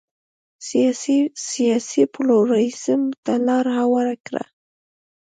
سیاسي پلورالېزم ته لار هواره کړه.